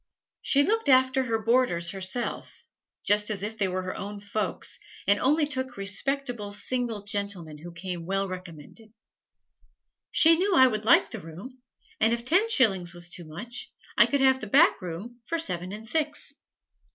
She looked after her boarders herself, just as if they were her own folks, and only took respectable single gentlemen who came well recommended. She knew I would like the room, and if ten shillings was too much I could have the back room for seven and six.